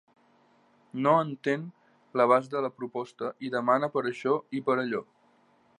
No entén l'abast de la proposta i demana per això i per allò.